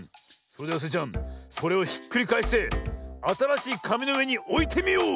それではスイちゃんそれをひっくりかえしてあたらしいかみのうえにおいてみよう！